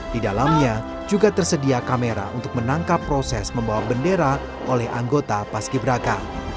di dalamnya juga tersedia kamera untuk menangkap proses membawa bendera oleh anggota paski braka